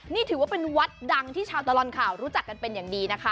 นี่ถือว่าเป็นวัดดังที่ชาวตลอดข่าวรู้จักกันเป็นอย่างดีนะคะ